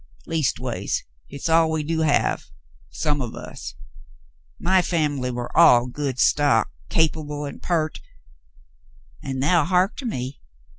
Leastways, hit's all we do have — some of us. My fambly war all good stock, capable and peart ; an' now heark to me.